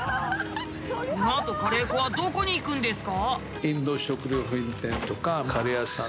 このあとカレー粉はどこに行くんですか？